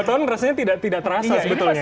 dua tahun rasanya tidak terasa sebetulnya